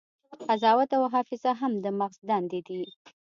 قضاوت او حافظه هم د مغز دندې دي.